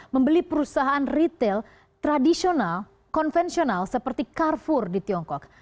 membeli perusahaan retail tradisional konvensional seperti carrefour di tiongkok